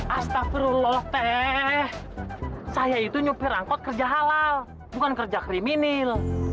astafrullah teh saya itu nyupir angkot kerja halal bukan kerja kriminal